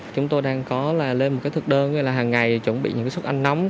chúng tôi đang có lên một thực đơn gọi là hằng ngày chuẩn bị những suốt ăn nóng